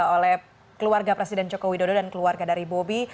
oleh keluarga presiden joko widodo dan keluarga dari bobi